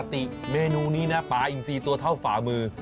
ติเมนูนี้นะปลาอินซีตัวเท่าฝ่ามือ